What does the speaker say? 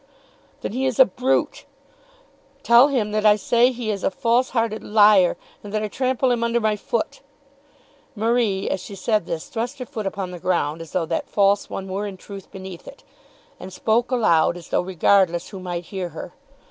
"Then he is a brute. Tell him that I say that he is a false hearted liar, and that I trample him under my foot." Marie as she said this thrust her foot upon the ground as though that false one were in truth beneath it, and spoke aloud, as though regardless who might hear her.